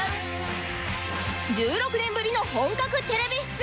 １６年ぶりの本格テレビ出演！